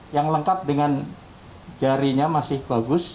yang lengkap dengan jarinya masih bagus